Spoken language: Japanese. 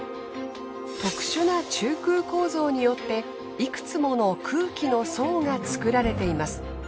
特殊な中空構造によっていくつもの空気の層が作られています。